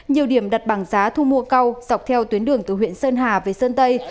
nhiều điểm đặt bảng giá thu mua cao dọc theo tuyến đường từ huyện sơn hà về sơn tây